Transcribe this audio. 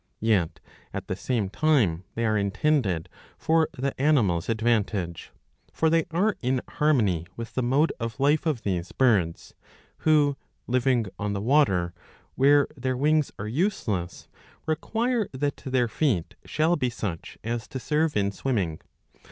Yet at the same time they are intended for the animal's advantage. For they are in harmony with the mode of life of these birds, who, living on the water, where their wings are useless, require that their feet shall be such as to serve in swimming.